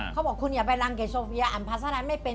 เขาบอกว่าคุณอย่าไปรังเกตโซเฟียอันภาษาไลน์ไม่เป็น